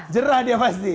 jerah dia pasti